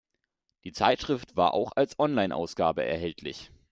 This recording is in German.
Die Zeitschrift war auch als Onlineausgabe erhältlich.